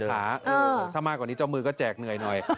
ถ้ามากกว่านี้เจ้ามือก็แจกเหนื่อยหน่อย